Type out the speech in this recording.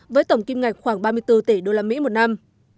với tổng kim ngạch khoảng ba mươi bốn tỷ đô la mỹ một năm